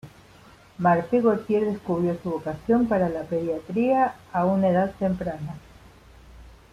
Marthe Gautier descubrió su vocación para la pediatría a una edad temprana.